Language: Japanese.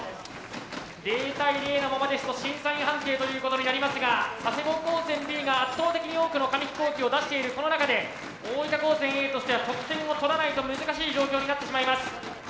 ０対０のままですと審査員判定ということになりますが佐世保高専Ｂが圧倒的に多くの紙飛行機を出しているこの中で大分高専Ａとしては得点を取らないと難しい状況になってしまいます。